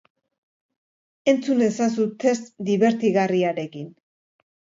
Entzun ezazu test dibertigarriarekin!